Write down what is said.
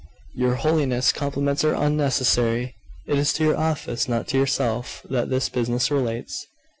'Your Holiness's compliments are unnecessary. It is to your office, not to yourself, that this business relates.